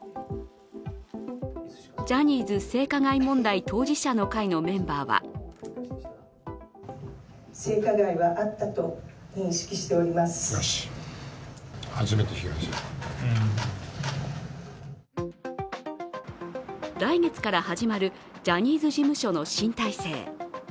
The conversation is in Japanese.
ジャニーズ性加害問題当事者の会のメンバーは来月から始まるジャニーズ事務所の新体制。